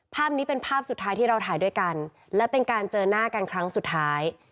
ภาพนี้เป็นภาพสุดท้ายที่เราถ่ายด้วยกันและเป็นการเจอหน้ากันครั้งสุดท้าย